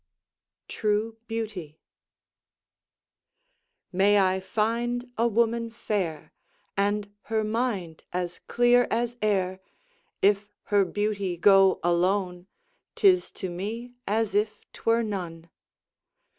TRUE BEAUTY May I find a woman fair, And her mind as clear as air: If her beauty go alone, 'Tis to me as if 'twere none.